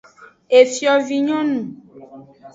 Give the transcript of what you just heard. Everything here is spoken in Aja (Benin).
Efiovinyonu.